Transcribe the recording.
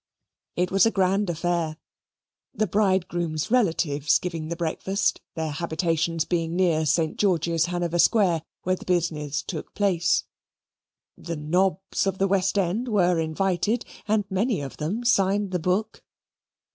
It was a grand affair the bridegroom's relatives giving the breakfast, their habitations being near St. George's, Hanover Square, where the business took place. The "nobs of the West End" were invited, and many of them signed the book.